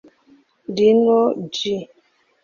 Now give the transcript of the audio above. Rino-G